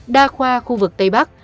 đa khoa khu vực tây bắc